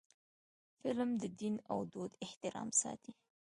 فلم د دین او دود احترام ساتي